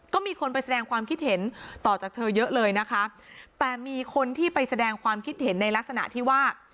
ก็มีคนไปแสดงความคิดเห็นต่อจากเธอเยอะเลยนะคะแต่มีคนที่ไปแสดงความคิดเห็นในลักษณะที่ว่า